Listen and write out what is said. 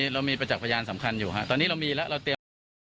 เรามีประจักษ์พยานสำคัญอยู่ฮะตอนนี้เรามีแล้วเราเตรียมไว้แล้ว